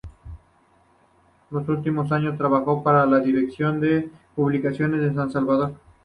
En sus últimos años trabajó para la "Dirección de Publicaciones de San Salvador".